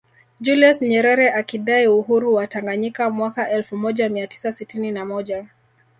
Julius Nyerere akidai uhuru wa Tanganyika mwaka elfu moja mia tisa sitini na moja